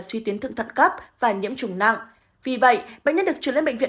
suy tiến thượng thận cấp và nhiễm trùng nặng vì vậy bệnh nhân được chuyển lên bệnh viện